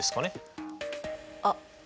あっ。